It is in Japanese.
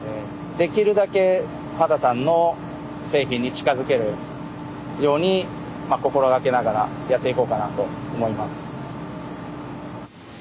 できるだけ羽田さんの製品に近づけるようにまあ心掛けながらやっていこうかなと思います。